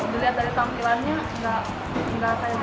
mungkin kita masuk paket hemat bisa buat